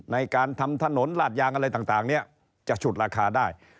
ในการทำถนนลาดยางอะไรต่างเนี่ยจะฉุดราคาได้